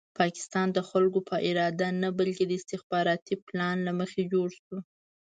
پاکستان د خلکو په اراده نه بلکې د استخباراتي پلان له مخې جوړ شو.